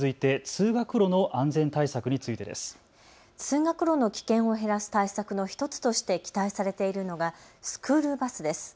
通学路の危険を減らす対策の１つとして期待されているのがスクールバスです。